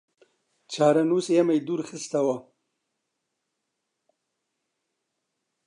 چارەنووس ئێمەی دوورخستەوە